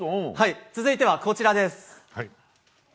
続いてはこちらです。